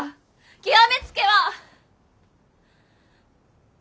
極めつけは。